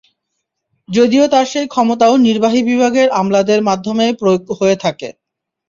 যদিও তার সেই ক্ষমতাও নির্বাহী বিভাগের আমলাদের মাধ্যমেই প্রয়োগ হয়ে থাকে।